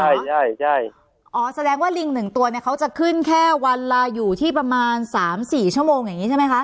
ใช่ใช่ใช่อ๋อแสดงว่าลิงหนึ่งตัวเนี้ยเขาจะขึ้นแค่วันละอยู่ที่ประมาณสามสี่ชั่วโมงอย่างงี้ใช่ไหมคะ